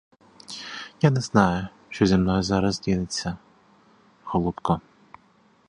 Я не знаю, що зо мною зараз діється, голубко!